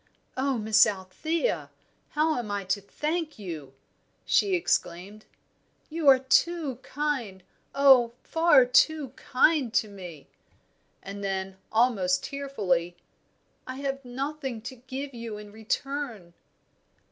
"Oh, Miss Althea, how am I to thank you?" she exclaimed. "You are too kind, oh, far too kind to me." And then, almost tearfully, "I have nothing to give you in return."